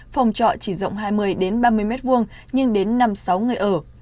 phòng trọ chỉ rộng hai mươi ba mươi m hai nhưng đến năm sáu người ở